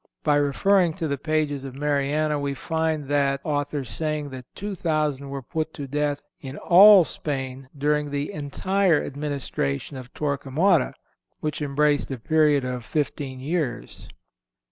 By referring to the pages of Mariana we find that author saying that two thousand were put to death in all Spain during the entire administration of Torquemada, which embraced a period of fifteen years.